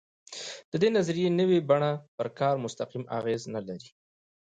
د دې نظریې نوې بڼه پر کار مستقیم اغېز نه لري.